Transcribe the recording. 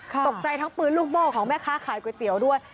ตกใจทั้งปืนลูกโม่ของแม่ค้าขายก๋วยเตี๋ยวด้วย